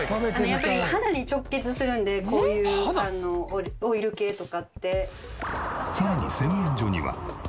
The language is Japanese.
やっぱり肌に直結するんでこういうオイル系とかって。さらに洗面所には。